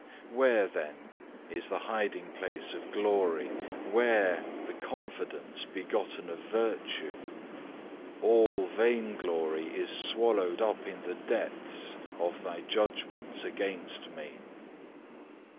Where, then, is the hiding place of glory, where the confidence begotten of virtue? All vain glory is swallowed up in the depths of Thy judgments against me.